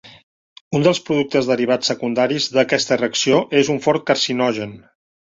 Un dels productes derivats secundaris d'aquesta reacció és un fort carcinogen.